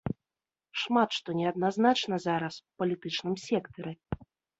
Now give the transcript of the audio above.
Шмат што неадназначна зараз у палітычным сектары.